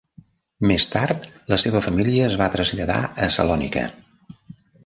Més tard, la seva família es va traslladar a Salònica.